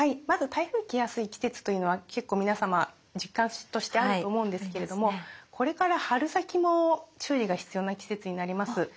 まず台風来やすい季節というのは結構皆様実感としてあると思うんですけれどもこれから春先も注意が必要な季節になります。